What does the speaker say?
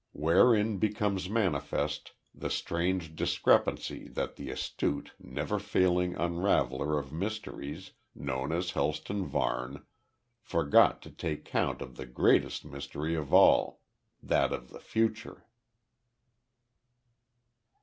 Wherein becomes manifest the strange discrepancy that the astute never failing unraveller of mysteries, known as Helston Varne, forgot to take count of the greatest mystery of all that of the Future.